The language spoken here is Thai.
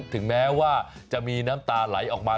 ถึงแม้ว่าจะมีน้ำตาไหลออกมา